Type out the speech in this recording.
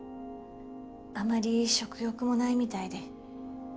あまり食欲もないみたいで。